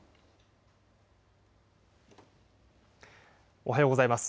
おはようございます。